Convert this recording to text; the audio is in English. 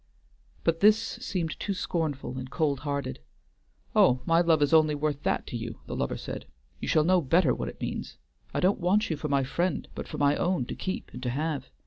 But this seemed too scornful and cold hearted. "Oh, my love is only worth that to you," the lover said. "You shall know better what it means. I don't want you for my friend, but for my own to keep and to have.